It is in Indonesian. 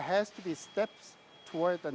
pasti ada langkah ke depan